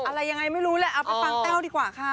อะไรยังไงไม่รู้แหละเอาไปฟังแต้วดีกว่าค่ะ